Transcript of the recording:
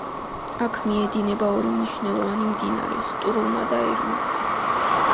აქ მიედინება ორი მნიშვნელოვანი მდინარე: სტრუმა და ერმა.